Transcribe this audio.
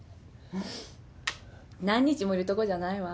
何日もいるとこじゃないわ。